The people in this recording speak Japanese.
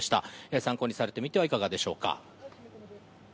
参考にされてみてはいかがでしょうか。